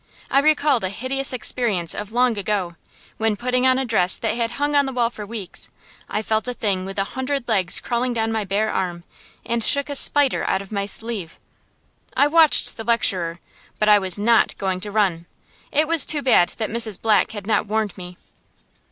I recalled a hideous experience of long ago, when, putting on a dress that had hung on the wall for weeks, I felt a thing with a hundred legs crawling down my bare arm, and shook a spider out of my sleeve. I watched the lecturer, but I was not going to run. It was too bad that Mrs. Black had not warned me.